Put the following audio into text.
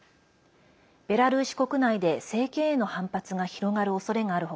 ベラルーシ国内で政権への反発が広がるおそれがある他